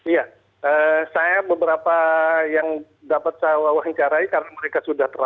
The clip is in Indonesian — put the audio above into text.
iya saya beberapa yang dapat saya wawancarai karena mereka sudah terasa